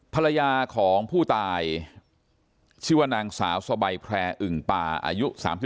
ภรรยาของผู้ตายชื่อว่านางสาวสบายแพร่อึ่งป่าอายุ๓๒